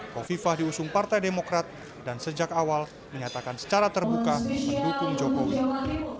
kofifa diusung partai demokrat dan sejak awal menyatakan secara terbuka mendukung joko widodo